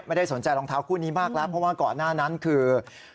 ไม่ได้สนใจรองเท้าคู่นี้มากแล้วเพราะว่าก่อนหน้านั้นคือ